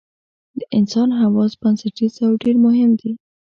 د انسان حواس بنسټیز او ډېر مهم دي.